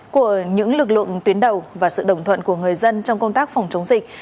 của những lực lượng tuyến đầu và sự đồng thuận của người dân trong công tác phòng chống dịch